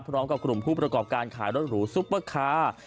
พร้อมกับกลุ่มผู้ประกอบการขายรถหรูซุปเปอร์คาร์